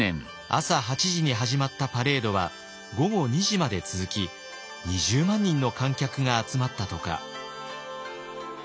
朝８時に始まったパレードは午後２時まで続き２０万人の観客が集まったとか。